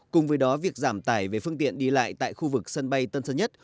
cùng với đó việc giảm tải về phương tiện đi lại tại khu vực sân bay tân sơn nhất